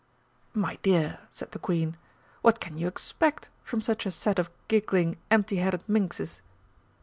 "My dear," said the Queen, "what can you expect from such a set of giggling, empty headed minxes?"